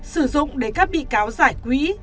sử dụng để các bị cáo giải quỹ